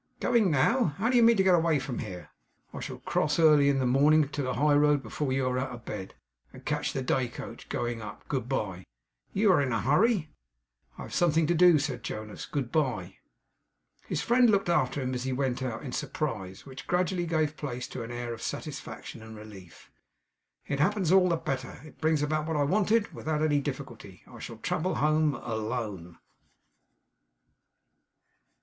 'Going now! how do you mean to get away from here?' 'I shall cross early in the morning to the high road, before you are out of bed; and catch the day coach, going up. Good bye!' 'You are in a hurry!' 'I have something to do,' said Jonas. 'Good bye!' His friend looked after him as he went out, in surprise, which gradually gave place to an air of satisfaction and relief. 'It happens all the better. It brings about what I wanted, without any difficulty. I shall travel home alone.